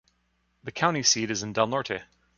The county seat is Del Norte.